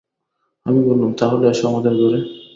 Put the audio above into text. আমি বললুম, তা হলে এসো আমাদের ঘরে।